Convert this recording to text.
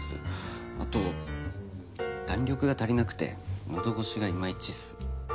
あと弾力が足りなくて喉越しがいまいちっす。